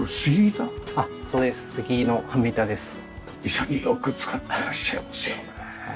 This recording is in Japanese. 潔く使ってらっしゃいますよね。